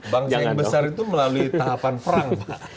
bangsa yang besar itu melalui tahapan perang